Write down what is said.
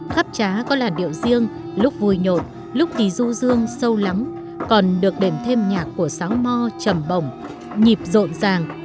khắp trá có làn điệu riêng lúc vui nhộn lúc tí du dương sâu lắm còn được đềm thêm nhạc của sáng mo trầm bồng nhịp rộn ràng